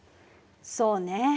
そうね。